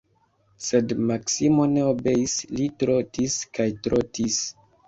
Sed Maksimo ne obeis, li trotis kaj trotis.